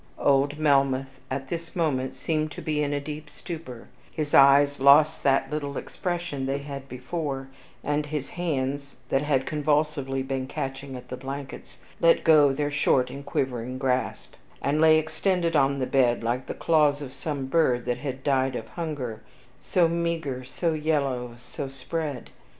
Old Melmoth at this moment seemed to be in a deep stupor; his eyes lost that little expression they had before, and his hands, that had convulsively been catching at the blankets, let go their short and quivering grasp, and lay extended on the bed like the claws of some bird that had died of hunger, so meager, so yellow, so spread.